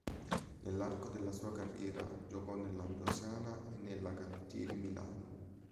Nell'arco della sua carriera giocò nell'Ambrosiana e nella Canottieri Milano.